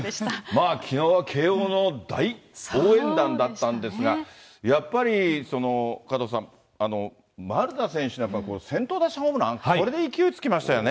まあ、きのうの慶応の大応援団だったんですが、やっぱり、加藤さん、丸田選手のやっぱり先頭打者ホームラン、これで勢いつきましたよね。